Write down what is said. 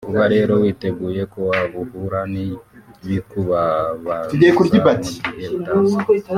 Kuba rero witeguye ko wahura n’ibikubabaza mu gihe utazi